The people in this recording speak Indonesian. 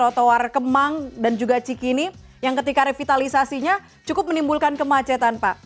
trotoar kemang dan juga cikini yang ketika revitalisasinya cukup menimbulkan kemacetan pak